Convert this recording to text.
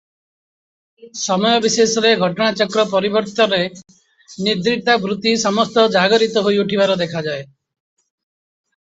ସମୟ ବିଶେଷରେ ଘଟନାଚକ୍ର ପରିବର୍ତ୍ତରେ ନିଦ୍ରିତା ବୃତ୍ତି ସମସ୍ତ ଜାଗରିତ ହୋଇ ଉଠିବାର ଦେଖାଯାଏ ।